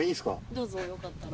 どうぞよかったら。